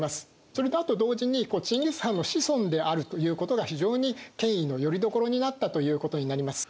それとあと同時にチンギス・ハンの子孫であるということが非常に権威のよりどころになったということになります。